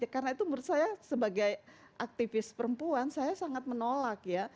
karena itu menurut saya sebagai aktivis perempuan saya sangat menolak